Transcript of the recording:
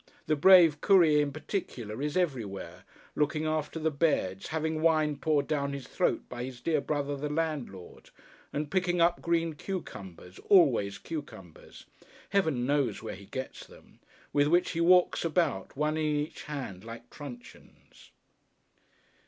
The brave Courier, in particular, is everywhere: looking after the beds, having wine poured down his throat by his dear brother the landlord, and picking up green cucumbers—always cucumbers; Heaven knows where he gets them—with which he walks about, one in each hand, like truncheons.